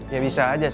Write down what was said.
ya bisa saja